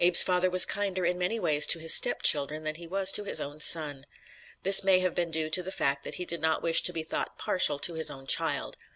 Abe's father was kinder in many ways to his stepchildren than he was to his own son. This may have been due to the fact that he did not wish to be thought "partial" to his own child.